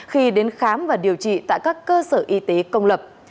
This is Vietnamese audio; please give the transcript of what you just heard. khi đến khám và điều trị tại các cơ sở y tế công lập